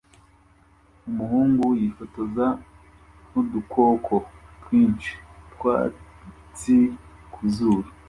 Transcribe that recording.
Umuhungu yifotoje n'udukoko twinshi twatsi ku zuru